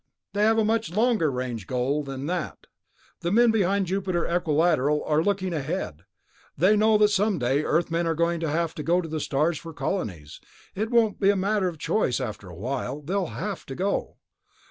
"They have a much longer range goal than that. The men behind Jupiter Equilateral are looking ahead. They know that someday Earthmen are going to have to go to the stars for colonies ... it won't be a matter of choice after a while, they'll have to go.